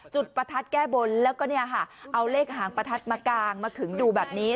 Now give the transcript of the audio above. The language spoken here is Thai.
จุดประทัดแก้บนแล้วก็เอาเลขหางประทัดมากลางมาถึงดูแบบนี้